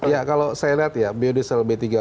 ya kalau saya lihat ya biodiesel b tiga puluh